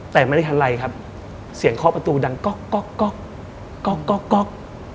แต่ไม่ได้ทันไรครับเสียงเคาะประตูดังก๊อกก๊อกก๊อกก๊อกก๊อกก๊อก